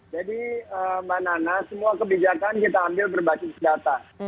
jadi mbak nana semua kebijakan kita ambil berbasis data